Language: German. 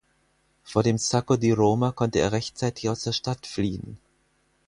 Vor dem Sacco di Roma konnte er rechtzeitig aus der Stadt fliehen.